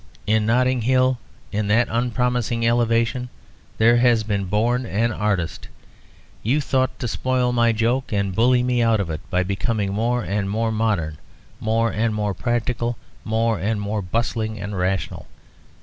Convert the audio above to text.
In Notting Hill in that unpromising elevation there has been born an artist! You thought to spoil my joke, and bully me out of it, by becoming more and more modern, more and more practical, more and more bustling and rational.